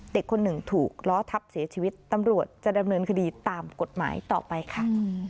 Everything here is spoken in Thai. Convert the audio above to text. เด็กคนหนึ่งถูกล้อทับเสียชีวิตตำรวจจะดำเนินคดีตามกฎหมายต่อไปค่ะ